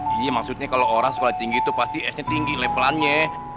iya maksudnya kalau orang sekolahnya tinggi pasti s nya tinggi label annya